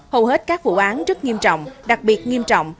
hầu hết các vụ án rất nghiêm trọng đặc biệt nghiêm trọng